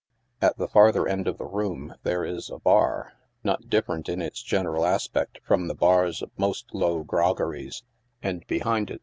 At the farther end of the room there is a bar, not different in its general aspect from the bars of most low groggcries, and behind it 30 NIGHT SIDE OF NEW YORK.